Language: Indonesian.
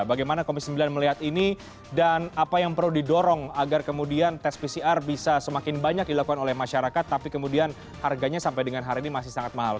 bagaimana komisi sembilan melihat ini dan apa yang perlu didorong agar kemudian tes pcr bisa semakin banyak dilakukan oleh masyarakat tapi kemudian harganya sampai dengan hari ini masih sangat mahal